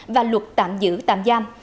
và luật tạm giữ tạm giam